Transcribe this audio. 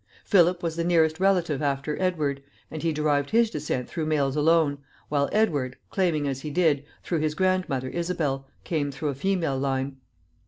Philip was the nearest relative after Edward, and he derived his descent through males alone, while Edward, claiming, as he did, through his grandmother Isabel, came through a female line.